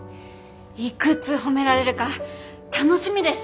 いくつ褒められるか楽しみです！